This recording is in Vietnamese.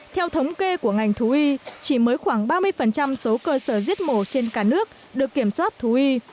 theo thống kê của ngành thú y chỉ mới khoảng ba mươi số cơ sở giết mổ trên cả nước được kiểm soát thú y